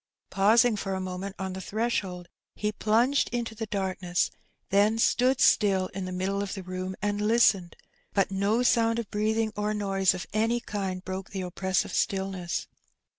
Pausing for a moment on the threshold^ he plunged into the dq,rkness, then stood still in the middle of the room and listened; but no sound of breathing or noise of any kind broke the oppressive stillness.